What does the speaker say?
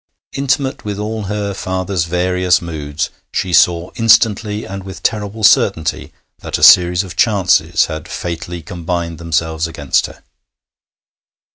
Intimate with all her father's various moods, she saw instantly and with terrible certainty that a series of chances had fatally combined themselves against her.